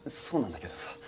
そうなんだけどさ